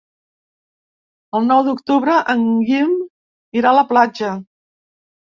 El nou d'octubre en Guim irà a la platja.